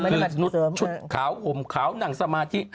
คือนุชชุดขาวห่มขาวหนังสมาธิ